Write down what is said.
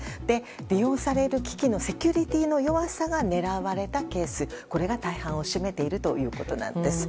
利用される機器のセキュリティーの弱さが狙われたケース、これが大半を占めているということなんです。